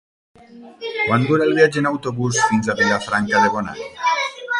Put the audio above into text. Quant dura el viatge en autobús fins a Vilafranca de Bonany?